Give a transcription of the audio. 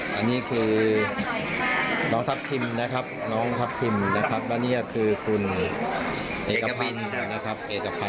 และนี่คือน้องทัพทิมและนี่คือคุณเอกพันธุ์